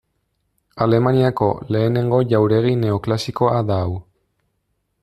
Alemaniako lehenengo jauregi neoklasikoa da hau.